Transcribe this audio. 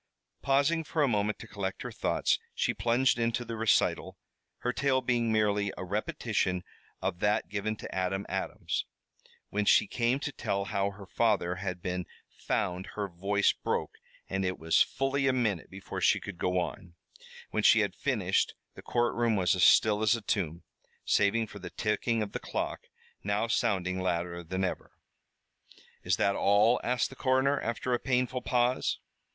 Pausing for a moment to collect her thoughts, she plunged into the recital, her tale being merely a repetition of that given to Adam Adams. When she came to tell how her father had been found her voice broke and it was fully a minute before she could go on. When she had finished the courtroom was as still as a tomb, save for the ticking of the clock, now sounding louder than ever. "Is that all?" asked the coroner, after a painful pause.